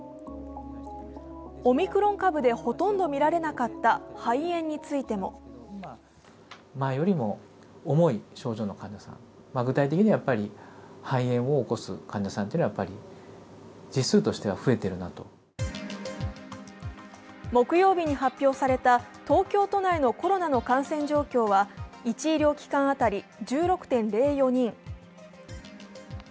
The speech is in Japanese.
オミクロン株でほとんど見られなかった肺炎についても木曜日に発表された東京都内のコロナの感染状況は１医療機関当たり１６．０４人。